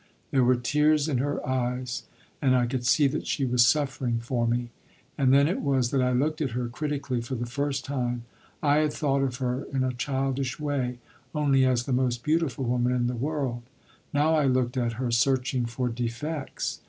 There were tears in her eyes and I could see that she was suffering for me. And then it was that I looked at her critically for the first time. I had thought of her in a childish way only as the most beautiful woman in the world; now I looked at her searching for defects.